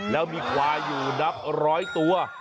แล้วมีควายอยู่นับร้อยตัว